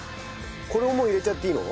これをもう入れちゃっていいの？